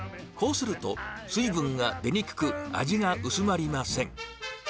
こうすると、水分が出にくく、味が薄まりません。